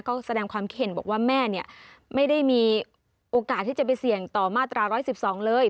ก็แสดงความเห็นบอกว่าแม่เนี่ยไม่ได้มีโอกาสที่จะไปเสี่ยงต่อมาตรา๑๑๒เลย